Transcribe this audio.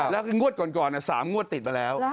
แล้วก็งวดก่อน๓งวดติดมาแล้ว